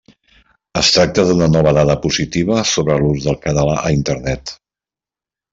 Es tracta d'una nova dada positiva sobre l'ús del català a Internet.